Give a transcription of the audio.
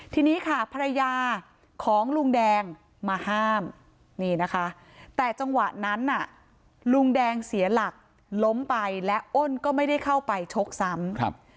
ทีนี้ค่ะภรรยาของลุงแดงมาห้ามนี่นะคะแต่จังหวะนั้นน่ะลุงแดงเสียหลักล้มไปและอ้นก็ไม่ได้เข้าไปชกซ้ำครับ